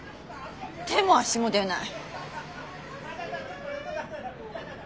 手も足も出ない。